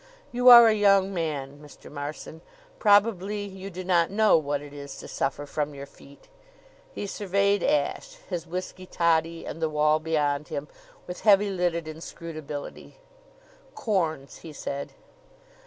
"You are a young man, Mr. Marson. Probably you do not know what it is to suffer from your feet." He surveyed Ashe, his whisky toddy and the wall beyond him, with heavy lidded inscrutability. "Corns!" he said.